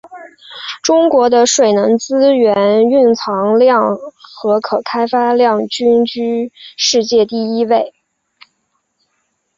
中国的水能资源蕴藏量和可开发量均居世界第一位。